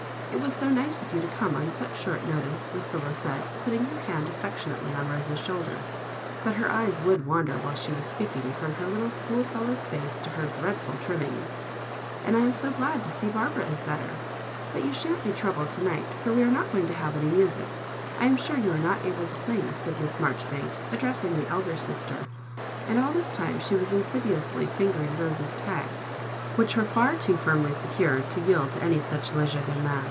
" It was so nice of you to come on such short notice," Lucilla said, put ting her hand affectionately on Rose's shoulder; but her eyes would wander wliile she was speaking from her little schoolfellow's face to her dreadful trimmings ;" and I am so glad to seo^arbara is better. But you shan't be troubled to night, for we are not going to have any musia ffl am sure you are not able to sing," said Miss Marjoribanks, addressing the elder sister; and all this time she was insidiously fingering Rose's tags, which were far too firmly secured to yield to any such legerdemain.